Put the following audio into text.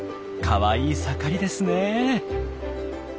かわいい盛りですねえ！